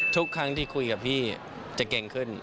ทุกครั้งที่คุยกับพี่จะเก่งขึ้น